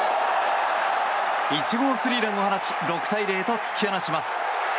１号スリーランを放ち６対０と突き放します。